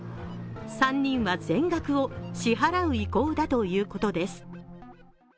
３人は全額を支払う意向だということです。